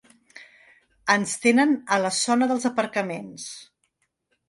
Ens tenen a la zona dels aparcaments.